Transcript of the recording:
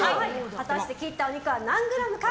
果たして切ったお肉は何グラムか。